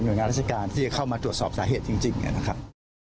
โดยงานราชการที่จะเข้ามาตรวจสอบสาเหตุจริงนะครับ